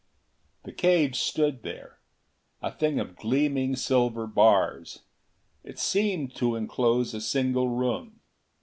The cage stood there, a thing of gleaming silver bars. It seemed to enclose a single room.